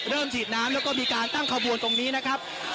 ฉีดน้ำแล้วก็มีการตั้งขบวนตรงนี้นะครับ